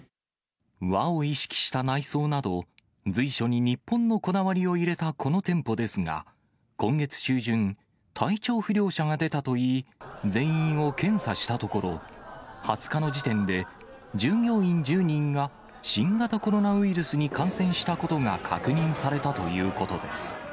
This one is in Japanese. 和を意識した内装など、随所に日本のこだわりを入れたこの店舗ですが、今月中旬、体調不良者が出たといい、全員を検査したところ、２０日の時点で、従業員１０人が新型コロナウイルスに感染したことが確認されたということです。